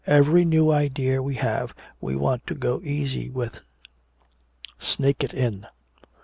Every new idea we have we want to go easy with, snake it in."